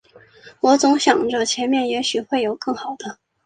我总想着前面也许会有更好的